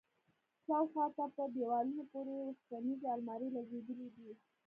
شاوخوا ته په دېوالونو پورې وسپنيزې المارۍ لگېدلي دي.